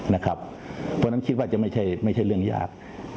เพราะฉะนั้นคิดว่าจะไม่ใช่เรื่องยาก